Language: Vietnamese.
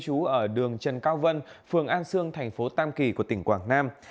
chú ở đường trần cao vân phường an sương thành phố tam kỳ của tỉnh quảng nam